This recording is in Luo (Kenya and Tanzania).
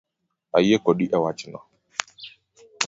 Ayie kodi ewachno